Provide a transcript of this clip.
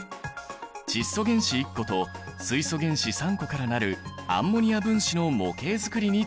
窒素原子１個と水素原子３個から成るアンモニア分子の模型づくりに挑戦！